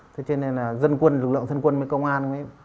thế nên lực lượng dân quân với công an